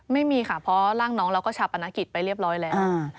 ไม่มีค่ะเพราะร่างน้องเราก็ชาปนกิจไปเรียบร้อยแล้ว